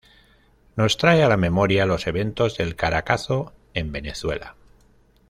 Nos trae a la memoria los eventos del Caracazo en Venezuela.